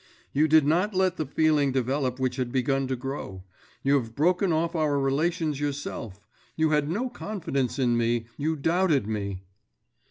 'You did not let the feeling develop which had begun to grow; you have broken off our relations yourself; you had no confidence in me; you doubted me.